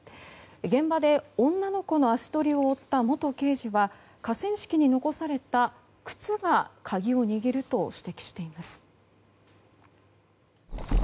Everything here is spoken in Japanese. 現場で女の子の足取りを追った元刑事は河川敷に残された靴が鍵を握ると指摘しています。